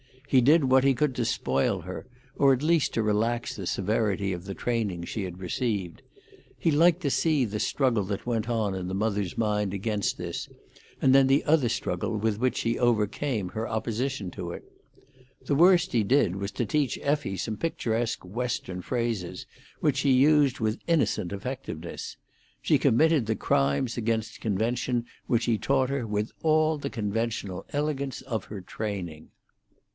He did what he could to spoil her, or at least to relax the severity of the training she had received; he liked to see the struggle that went on in the mother's mind against this, and then the other struggle with which she overcame her opposition to it. The worst he did was to teach Effie some picturesque Western phrases, which she used with innocent effectiveness; she committed the crimes against convention which he taught her with all the conventional elegance of her training.